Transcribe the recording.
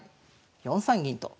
４三銀と。